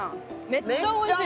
めっちゃおいしい。